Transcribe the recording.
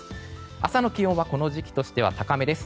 朝の気温はこの時期としては高めです。